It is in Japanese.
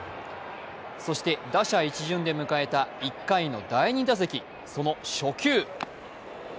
そして打者一巡で迎えた１回の第２打席、その初球。